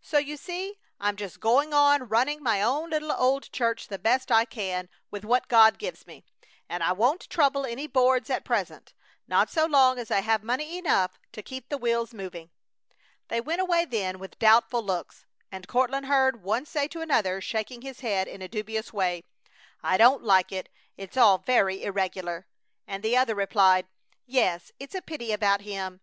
So you see I'm just going on running my own little old church the best I can with what God gives me, and I won't trouble any boards at present, not so long as I have money enough to keep the wheels moving." They went away then with doubtful looks, and Courtland heard one say to another, shaking his head in a dubious way: "I don't like it. It's all very irregular!" And the other replied: "Yes! It's a pity about him!